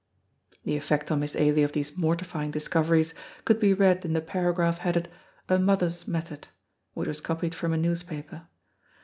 The effect on Miss Ailie of these mortifying discoveries could be read in the paragraph headed A MOTHER'S METHOD, which was copied from a newspaper.